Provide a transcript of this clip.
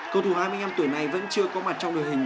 cầu thủ hai mươi năm tuổi này vẫn chưa có mặt trong đội hình